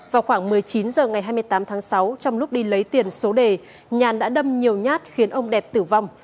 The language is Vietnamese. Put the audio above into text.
vào khoảng một mươi chín h ngày hai mươi tám tháng sáu trong lúc đi lấy tiền số đề nhàn đã đâm nhiều nhát khiến ông đẹp tử vong